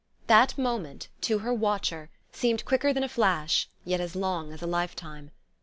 That moment, to her watcher, seemed quicker than a flash yet as long as a life time.